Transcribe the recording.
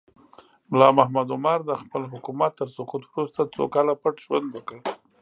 ملا محمد عمر د خپل حکومت تر سقوط وروسته څو کاله پټ ژوند وکړ.